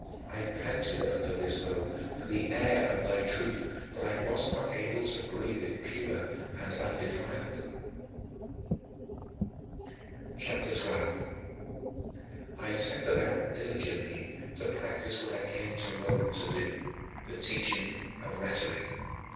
I panted under this load for the air of thy truth, but I was not able to breathe it pure and undefiled. CHAPTER XII 22. I set about diligently to practice what I came to Rome to do the teaching of rhetoric.